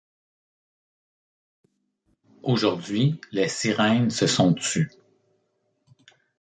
Aujourd'hui, les sirènes se sont tues.